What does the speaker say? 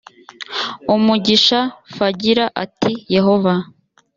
umugisha f agira ati yehova